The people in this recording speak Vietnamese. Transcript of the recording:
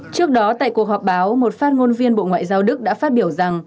trước đó tại cuộc họp báo một phát ngôn viên bộ ngoại giao đức đã phát biểu rằng